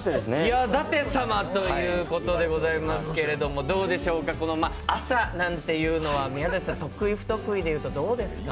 舘様ということでございますけれども、どうでしょうか、朝なんていうのは宮舘さん得意、不得意でいうとどうですか？